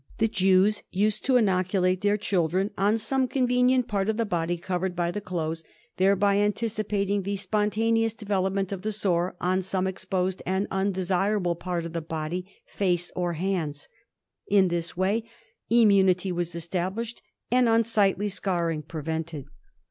These Jews used to inoculate their children on some convenient part of the body covered by the clothes, thereby anticipating the spontaneous development of the sore on some exposed and undesirable part of the body — face or hands. In this way immunity was established and unsightly scarring prevented.